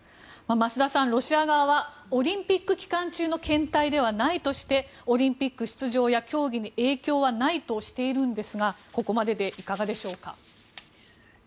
増田さん、ロシア側はオリンピック期間中の検体ではないとしてオリンピック出場や競技に影響はないとしているんですがここまででいかがでしょうか。